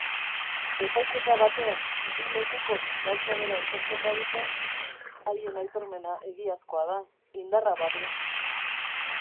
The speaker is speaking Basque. Epaiketa batean bi lekukok gauza bera aitortzen badute, haien aitormena egiazkoa da, indarra badu.